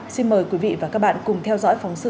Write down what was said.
xin mời quý vị và các bạn cùng theo dõi